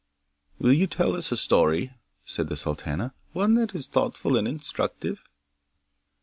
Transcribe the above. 'Will you tell us a story?' said the sultana; 'one that is thoughtful and instructive?